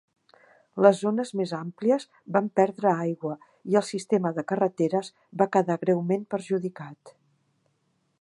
Les zones més àmplies van perdre aigua i el sistema de carreteres va quedar greument perjudicat.